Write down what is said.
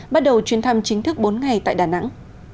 bắt đầu chuyến thăm chính thức bốn ngày tại đà nẵng